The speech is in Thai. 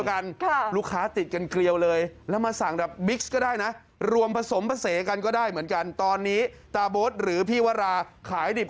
อันนี้ครับข่าวใส่ไข่เลย